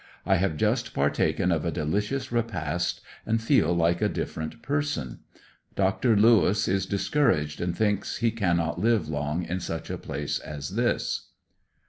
I have just partaken of a delicious repast and feel like a different person. Dr. Lewis is discouraged and thinks he cannot live long in such a place as this.